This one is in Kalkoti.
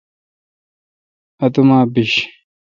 اتوما بش۔